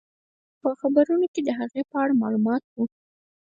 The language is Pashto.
په خبرونو کې د هغې په اړه معلومات وو.